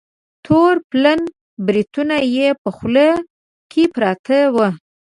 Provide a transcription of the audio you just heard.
تور پلن بریتونه یې په خوله کې پراته وه.